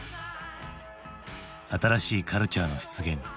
新しいカルチャーの出現。